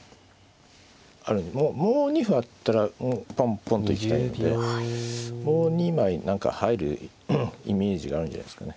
もう２歩あったらポンポンと行きたいのでもう２枚何か入るイメージがあるんじゃないですかね。